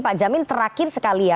pak jamin terakhir sekali ya